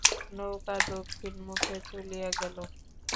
নৌকা দক্ষিণমুখে চলিয়া গেল।